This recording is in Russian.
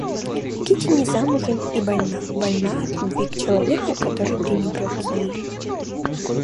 Кити не замужем и больна, больна от любви к человеку, который пренебрег ею.